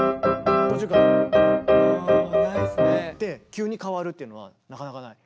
急に変わるっていうのはなかなかない。